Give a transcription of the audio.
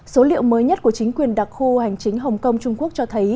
số liệu mới nhất của chính quyền đặc khu hành chính hồng kông trung quốc cho thấy